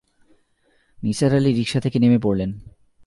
Nisar Ali rickshaw থেকে নেমে পড়লেন।